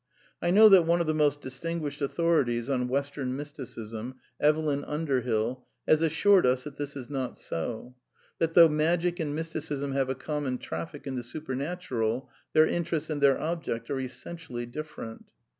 I know that one of the most distinguished authorities on Western Mysticism, Evelyn Underbill, has assured us that this is not so; that, though Magic and Mysticism have a common traffic in the supernatural, their interest and their object are essentially different.